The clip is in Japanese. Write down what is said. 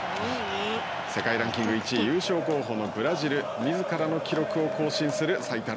世界ランキング１位優勝候補のブラジルみずからの記録を更新する最多